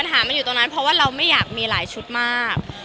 ปัญหามันอยู่ตรงนั้นเพราะว่าเราไม่อยากมีหลายชุดมาก